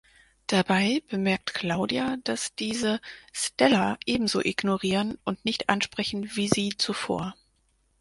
Dabei bemerkt Claudia, dass diese Stella ebenso ignorieren und nicht ansprechen wie sie zuvor.